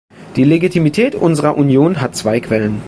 Die Legitimität unserer Union hat zwei Quellen.